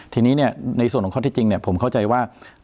ทีนี้เนี่ยในส่วนของข้อที่จริงเนี่ยผมเข้าใจว่า